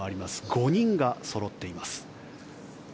５人がそろっています。